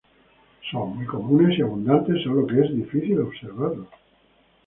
Son muy comunes y abundantes solo que es difícil observarlos.